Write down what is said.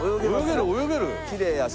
きれいやし。